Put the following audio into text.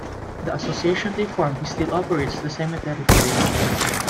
The association they formed still operates the cemetery today.